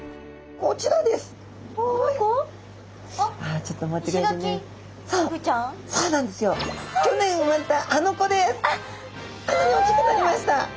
こんなに大きくなりました。